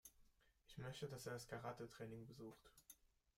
Ich möchte, dass er das Karatetraining besucht.